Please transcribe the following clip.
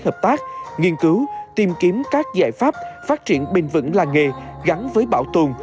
hợp tác nghiên cứu tìm kiếm các giải pháp phát triển bền vững làng nghề gắn với bảo tồn